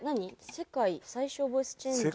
世界最小ボイスチェンジャー。